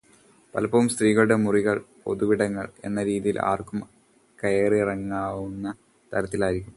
പലപ്പോഴും സ്ത്രീകളുടെ മുറികൾ പൊതുവിടങ്ങൾ എന്ന രീതിയിൽ ആർക്കും കയറിയിറങ്ങാവുന്ന തരത്തിലായിരിക്കും.